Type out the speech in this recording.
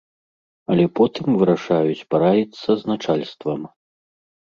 Але потым вырашаюць параіцца з начальствам.